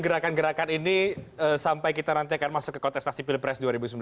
gerakan gerakan ini sampai kita nanti akan masuk ke kontestasi pilpres dua ribu sembilan belas